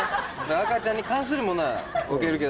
赤ちゃんに関するものは置けるけど。